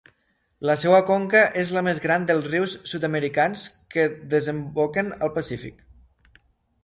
La seva conca és la més gran dels rius sud-americans que desemboquen al Pacífic.